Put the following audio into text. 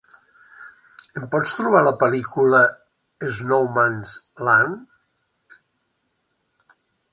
Em pots trobar la pel·lícula Snowman's Land?